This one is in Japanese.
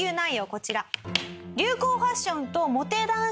こちら。